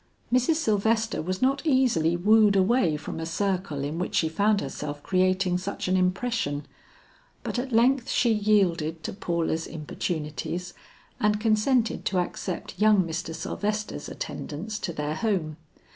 Mrs. Sylvester was not easily wooed away from a circle in which she found herself creating such an impression, but at length she yielded to Paula's importunities, and consented to accept young Mr. Sylvester's attendance to their home.